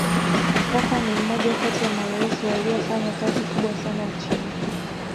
mkapa ni mmoja kati ya maraisi waliyofanya kazi kubwa sana nchini